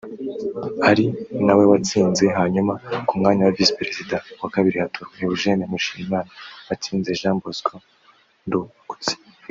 ari nawe watsinze hanyuma ku mwanya wa Visi Perezida wa Kabiri hatorwa Eugenie Mushimiyimana watsinze Jean Bosco Ndungutse